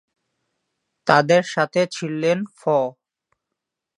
তাদের সাথে ছিলেন ফ।